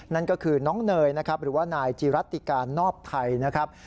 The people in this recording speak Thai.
นั่นก็คือน้องเนยนะครับหรือว่านายจีรัติการนอบไทยนะครับ